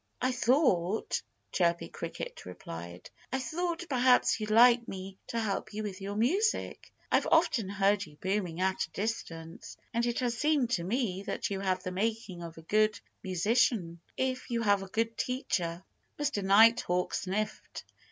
"I thought" Chirpy Cricket replied "I thought that perhaps you'd like me to help you with your music. I've often heard your booming at a distance. And it has seemed to me that you have the making of a good musician, if you have a good teacher." Mr. Nighthawk sniffed.